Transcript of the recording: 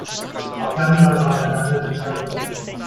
Auch der Angreifer hat eine Achillesferse.